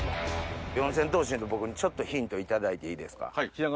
四千頭身と僕にちょっとヒント頂いていいですか？